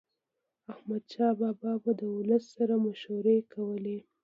احمدشاه بابا به د ولس سره مشورې کولي.